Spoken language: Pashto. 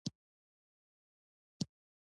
نن خو بیا احمد علي ته برگ برگ کتل.